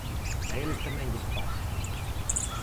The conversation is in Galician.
A eles tamén lles pasa.